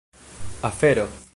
afero